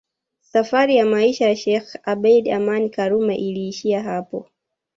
Safari ya maisha ya sheikh Abeid Aman Karume iliishia hapo